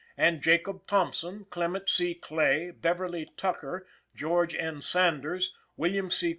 and Jacob Thompson, Clement C. Clay, Beverly Tucker, George N. Sanders, William C.